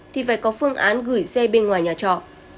thì phải có phương án gửi xe bên ngoài nhà trọ